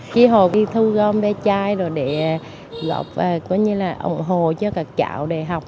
chị hồ khi thu gom ve chai rồi để góp có như là ủng hộ cho các cháu để học